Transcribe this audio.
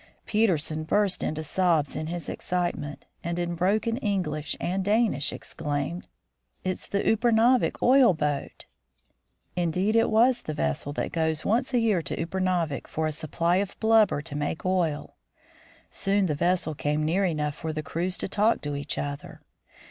Peterson burst into sobs in his excitement, and in broken English and Danish exclaimed, "It's the Upernavik oil boat !" Indeed, it was the vessel that goes once a year to Upernavik for a supply of blub ber to make oil. Soon the vessel came near enough for the crews to talk to each other.